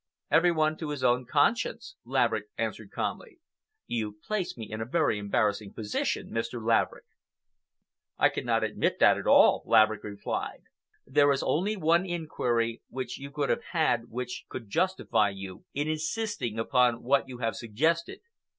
"Every one to his own conscience," Laverick answered calmly. "You place me in a very embarrassing position, Mr. Laverick." "I cannot admit that at all," Laverick replied. "There is only one inquiry which you could have had which could justify you in insisting upon what you have suggested.